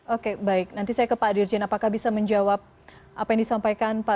oke baik nanti saya ke pak dirjen apakah bisa menjawab apa yang disampaikan pak